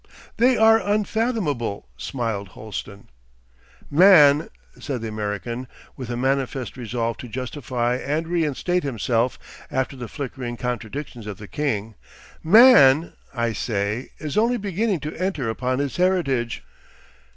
'They are unfathomable,' smiled Holsten. 'Man,' said the American, with a manifest resolve to justify and reinstate himself after the flickering contradictions of the king, 'Man, I say, is only beginning to enter upon his heritage.